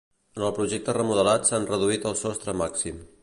En el projecte remodelat s'han reduït el sostre màxim.